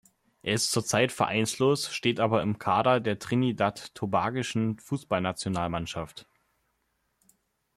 Er ist zurzeit vereinslos, steht aber im Kader der trinidad-tobagischen Fußballnationalmannschaft.